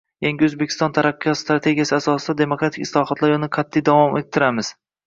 Yangi O‘zbekiston taraqqiyot strategiyasi asosida demokratik islohotlar yo‘lini qat’iy davom ettiramizng